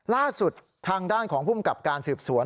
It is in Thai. ล่าสุดทางด้านของภูมิกับการสืบสวน